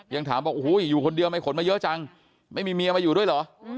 ยังถามบอกโอ้โหอยู่คนเดียวไม่ขนมาเยอะจังไม่มีเมียมาอยู่ด้วยเหรอ